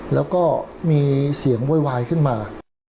แล้วก็มีเสียงโวยวายขึ้นมา